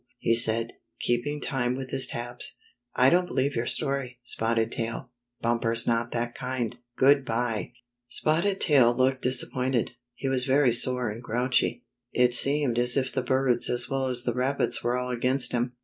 '' he said, keeping time with his taps. "I don't believe your story. Spotted Tail. Bumper's not that kind. Good bye." Spotted Tail looked disappointed. He was very sore and grouchy. It seemed as if the birds as well as the rabbits were all against him.